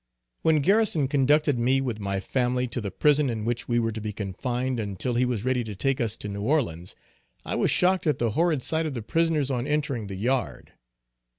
When Garrison conducted me with my family to the prison in which we were to be confined until he was ready to take us to New Orleans, I was shocked at the horrid sight of the prisoners on entering the yard.